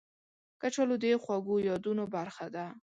کچالو د خوږو یادونو برخه ده